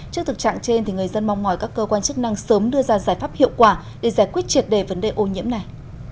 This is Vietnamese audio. trước thực trạng trên người dân mong mỏi các cơ quan chức năng sớm đưa ra giải pháp hiệu quả để giải quyết triệt đề vấn đề ô nhiễm này